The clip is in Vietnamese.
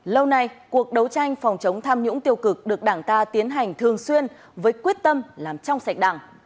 lâu nay cuộc đấu tranh phòng chống tham nhũng tiêu cực được đảng ta tiến hành thường xuyên với quyết tâm làm trong sạch đảng